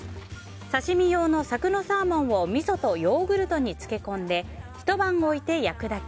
刺し身用のさくのサーモンをみそとヨーグルトに漬け込んでひと晩置いて焼くだけ。